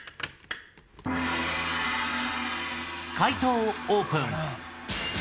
解答をオープン。